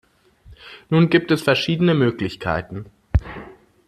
Nun gibt es verschiedene Möglichkeiten.